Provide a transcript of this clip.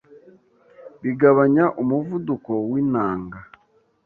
bigabanya umuvuduko w’intanga